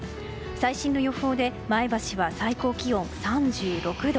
最新の予報で前橋は最高気温３６度。